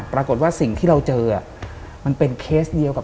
ปรากฏว่าสิ่งที่เราเจอมันเป็นเคสเดียวกับ